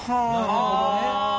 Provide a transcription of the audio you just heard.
なるほどね。